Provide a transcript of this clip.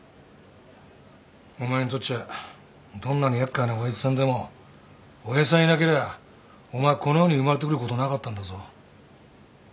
お前にとっちゃどんなに厄介な親父さんでも親父さんいなけりゃお前この世に生まれてくることなかったんだぞ。